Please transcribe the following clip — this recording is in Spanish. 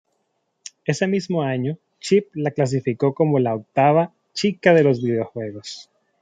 Ese mismo año Chip la clasificó como la octava "Chica de los Videojuegos".